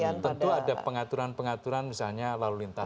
ya tentu ada pengaturan pengaturan misalnya lalu lintas